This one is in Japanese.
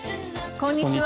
こんにちは。